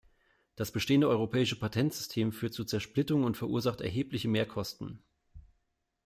Das bestehende europäische Patentsystem führt zu Zersplitterung und verursacht erhebliche Mehrkosten.